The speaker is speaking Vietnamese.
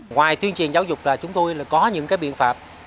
ngoài tuyên truyền giáo dục là chúng tôi có những cái biện pháp